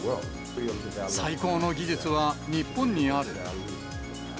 最高の技術は日本にある。